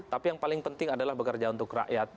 tapi yang paling penting adalah bekerja untuk rakyat